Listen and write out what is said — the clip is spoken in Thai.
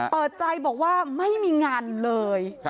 เปิดใจบอกว่าไม่มีงานเลย